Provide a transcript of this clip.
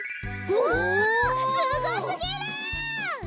おおすごすぎる！